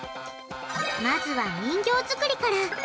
まずは人形作りから！